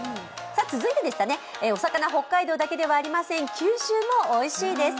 続いて、お魚、北海道だけではありません。九州もおいしいです。